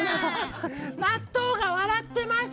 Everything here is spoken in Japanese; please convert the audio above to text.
納豆が笑ってます